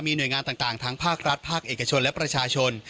หน่วยงานต่างทั้งภาครัฐภาคเอกชนและประชาชน